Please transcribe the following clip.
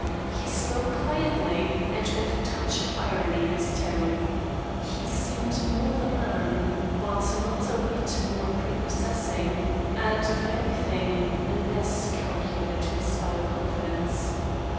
He spoke quietly, and with a touch of irony in his tone. He seemed more the man, but not a whit more prepossessing, and, if anything, less calculated to inspire confidence.